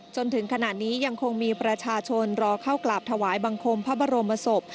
จนถึงขณะนี้ยังคงมีประชาชนรอเข้ากราบถวายบังคมพระบรมศพ